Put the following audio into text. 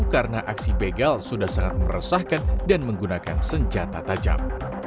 karena aksi begal sudah sangat meresahkan dan menggunakan senjata tajam